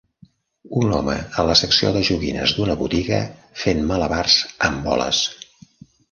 Un home a la secció de joguines d'una botiga fent malabars amb boles